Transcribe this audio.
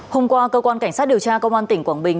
hôm qua cơ quan cảnh sát điều tra công an tỉnh quảng bình